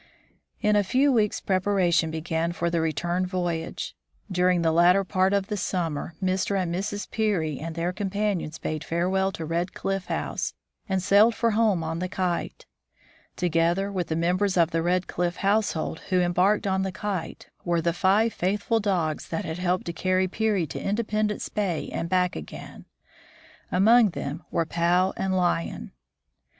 In a few weeks preparations began for the return voy age. During the latter part of the summer, Mr. and Mrs. Peary and their companions bade farewell to Red Cliff House, and sailed for home on the Kite. Together with the members of the Red Cliff household who embarked on the Kite were the five faithful dogs that had helped to carry Peary to Independence bay and back again. Among them were Pau and Lion.